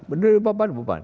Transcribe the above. bapak ada beban